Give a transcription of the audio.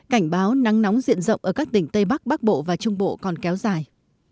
cảnh báo nắng nóng diện rộng ở các tỉnh tây bắc bắc bộ và trung bộ còn kéo dài